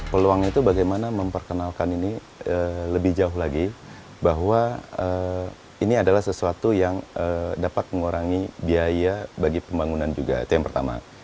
peluang itu bagaimana memperkenalkan ini lebih jauh lagi bahwa ini adalah sesuatu yang dapat mengurangi biaya bagi pembangunan juga itu yang pertama